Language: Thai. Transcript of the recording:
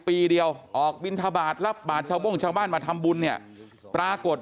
ปีเดียวเบียนทะบาทรับไม่จะห้องชาวบ้านมาทำบุญเนี่ยปรากฏ